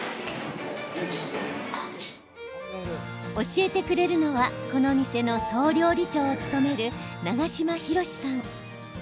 教えてくれるのはこの店の総料理長を務める長島博さん。